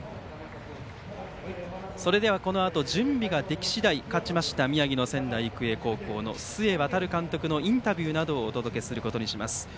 このあと準備ができ次第勝ちました宮城の仙台育英の須江航監督のインタビューなどをお届けすることにします。